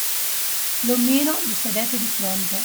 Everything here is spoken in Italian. L'omino gli sedette di fronte.